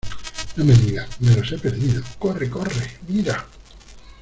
no me digas, me los he perdido. ¡ corre , corre! mira .